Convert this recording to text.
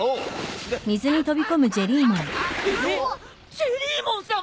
ジェリーモンさま！？